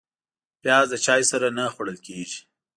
پیاز د چای سره نه خوړل کېږي